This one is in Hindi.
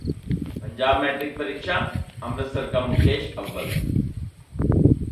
पंजाब मैट्रिक परीक्षाः अमृतसर का मुकेश अव्वल